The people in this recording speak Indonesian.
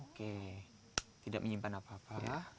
oke tidak menyimpan apa apa